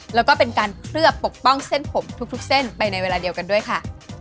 แล้วก็เป็นการเคลือบปกป้องเส้นผมทุกเส้นไปในเวลาเดียวกันด้วยค่ะ